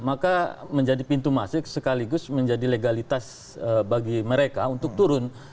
maka menjadi pintu masuk sekaligus menjadi legalitas bagi mereka untuk turun